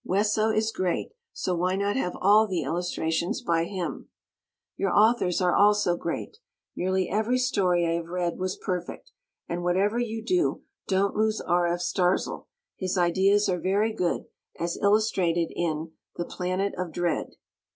Wesso is great, so why not have all the illustrations by him? Your authors are also great. Nearly every story I have read was perfect, and whatever you do don't lose R. F. Starzl. His ideas are very good, as illustrated in "The Planet of Dread."